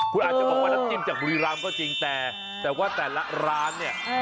คุณอาจจะบอกว่าน้ำจิ้มจากบุรีรำก็จริงแต่แต่ว่าแต่ละร้านเนี่ย